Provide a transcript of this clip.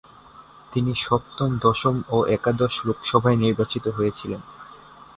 তিনি সপ্তম, দশম ও একাদশ লোকসভায় নির্বাচিত হয়েছিলেন।